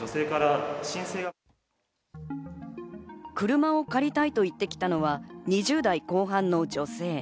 車を借りたいと言ってきたのは２０代後半の女性。